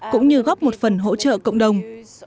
cũng như góp một phần hỗ trợ cộng đồng